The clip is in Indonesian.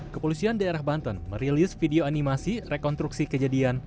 kepolisian daerah banten merilis video animasi rekonstruksi kejadian